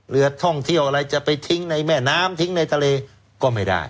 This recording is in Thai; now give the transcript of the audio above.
เรือท่องเที่ยวอะไรจะไปทิ้งในแม่น้ำทิ้งในทะเลก็ไม่ได้